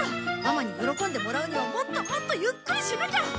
ママに喜んでもらうにはもっともっとゆっくりしなきゃ！